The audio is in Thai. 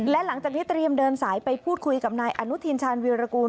และหลังจากนี้เตรียมเดินสายไปพูดคุยกับนายอนุทินชาญวีรกูล